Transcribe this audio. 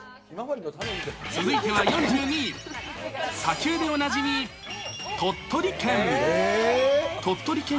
続いては４２位、砂丘でおなじみ、鳥取県。